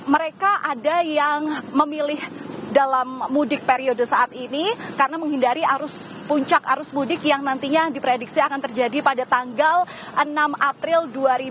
mereka ada yang memilih dalam mudik periode saat ini karena menghindari arus puncak arus mudik yang nantinya diprediksi akan terjadi pada tanggal enam april dua ribu dua puluh